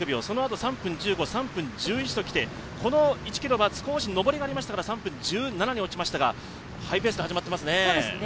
そのあとが３分１５、３分１１ときてこの１ｋｍは上りがありましたから３分１７に落ちましたが、ハイペースで始まっていますね。